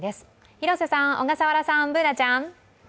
広瀬さん、小笠原さん、Ｂｏｏｎａちゃん。